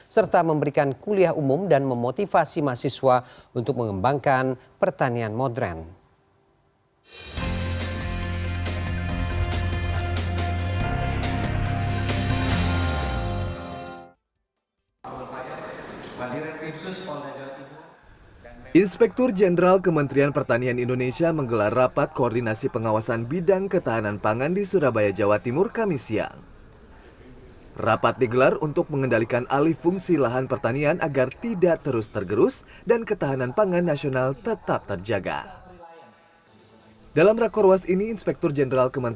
serta memberikan kuliah umum dan memotivasi mahasiswa untuk mengembangkan pertanian modern